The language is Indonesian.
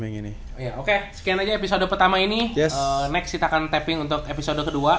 yang ini ya oke sekian aja episode pertama ini yes next kita akan tapping untuk episode kedua